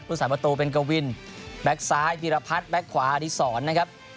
สาประตูเป็นกวินแบ็คซ้ายพีรพัฒน์แก๊กขวาอดีศรนะครับ